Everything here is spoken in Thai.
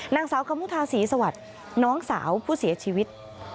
นางสาวกมุทาศรีสวัสดิ์น้องสาวผู้เสียชีวิต